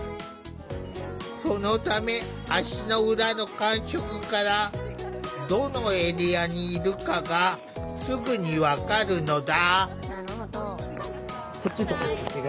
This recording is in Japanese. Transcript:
そのため足の裏の感触からどのエリアにいるかがすぐに分かるのだ。